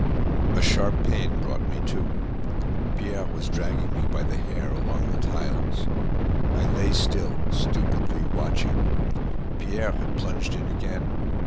A sharp pain brought me to. Pierre was dragging me by the hair along the tiles. I lay still, stupidly watching. Pierre had plunged in again.